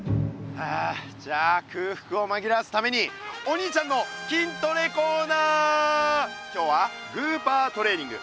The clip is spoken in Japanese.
じゃくうふくをまぎらわすために「お兄ちゃんの筋トレコーナー」。今日はグーパートレーニング！